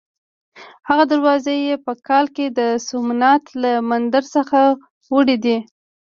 هغه دروازې یې په کال کې د سومنات له مندر څخه وړې دي.